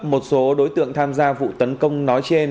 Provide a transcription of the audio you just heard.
một số đối tượng tham gia vụ tấn công nói trên